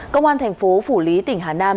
công an thành phố phủ lý tỉnh hà nam